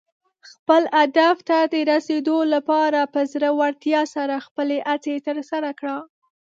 خپل هدف ته د رسېدو لپاره په زړۀ ورتیا سره خپلې هڅې ترسره کړه.